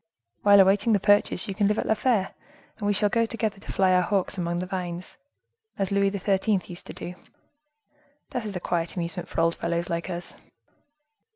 While awaiting the purchase, you can live at La Fere, and we shall go together to fly our hawks among the vines, as Louis XIII. used to do. That is a quiet amusement for old fellows like us."